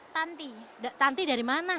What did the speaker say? tanti tanti dari mana